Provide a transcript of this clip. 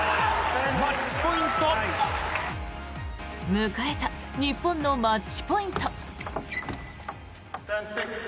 迎えた日本のマッチポイント。